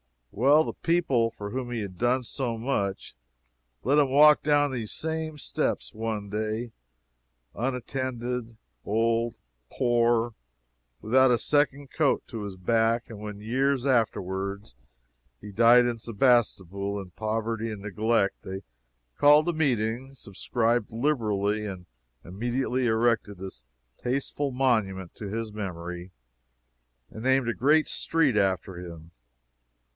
Well, the people for whom he had done so much, let him walk down these same steps, one day, unattended, old, poor, without a second coat to his back; and when, years afterwards, he died in Sebastopol in poverty and neglect, they called a meeting, subscribed liberally, and immediately erected this tasteful monument to his memory, and named a great street after him.